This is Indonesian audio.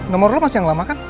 nomor lo masih yang lama kan